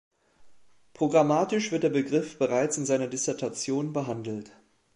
Programmatisch wird der Begriff bereits in seiner Dissertation behandelt.